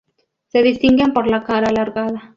Se distinguen por la cara alargada.